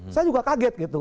saya juga kaget gitu